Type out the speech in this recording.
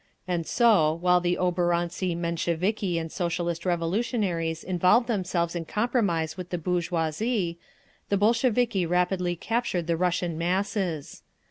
And so, while the oborontsi Mensheviki and Socialist Revolutionaries involved themselves in compromise with the bourgeoisie, the Bolsheviki rapidly captured the Russian masses.